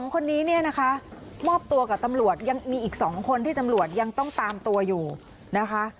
๒คนนี้เนี่ยนะคะมอบตัวกับตำรวจยังมีอีก๒คนที่ตำรวจยังต้องตามตัวอยู่นะคะ